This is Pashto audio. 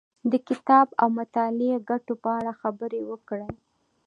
د کتاب او مطالعې د ګټو په اړه خبرې وکړې.